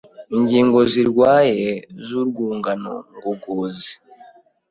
ingingo zirwaye z’urwungano ngogozi.